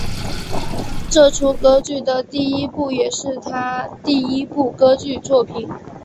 这出歌剧的第一部也是他第一部歌剧作品。